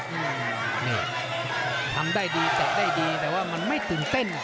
นี่ทำได้ดีเตะได้ดีแต่ว่ามันไม่ตื่นเต้น